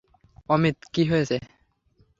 অমিত, কি হয়েছে?